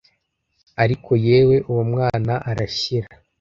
ariko yewe uwo mwana arashyira